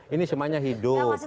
ini semuanya hidup